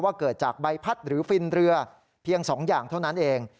เกิดจากใบพัดหรือฟินเรือเพียง๒อย่างเท่านั้นเอง